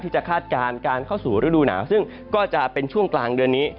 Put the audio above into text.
คาดการณ์การเข้าสู่ฤดูหนาวซึ่งก็จะเป็นช่วงกลางเดือนนี้